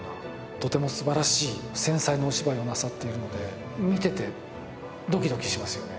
とてもすばらしい繊細なお芝居をなさっているので見ててドキドキしますよね